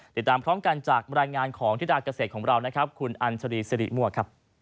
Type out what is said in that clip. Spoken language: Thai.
ติดตามพร้อมกันจากรายงานของธิดาเกษตรของเราคุณอันทรีย์สิริมวก